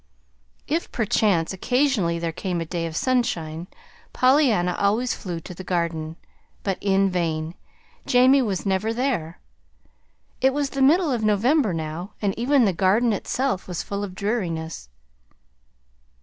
If perchance occasionally there came a day of sunshine, Pollyanna always flew to the Garden; but in vain. Jamie was never there. It was the middle of November now, and even the Garden itself was full of dreariness.